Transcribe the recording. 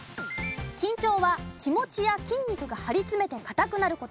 緊張は気持ちや筋肉が張り詰めてかたくなる事。